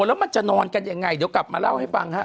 แล้วมันจะนอนกันยังไงเดี๋ยวกลับมาเล่าให้ฟังฮะ